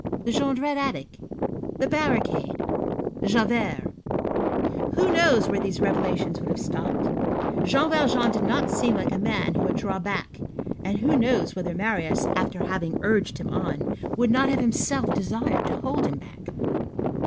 The Jondrette attic? The barricade? Javert? Who knows where these revelations would have stopped? Jean Valjean did not seem like a man who would draw back, and who knows whether Marius, after having urged him on, would not have himself desired to hold him back?